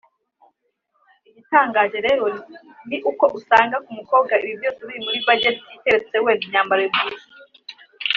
Igitangaje rero ni uko usanga ku mukobwa ibi byose biri muri budget keretse wenda imyambaro ye bwite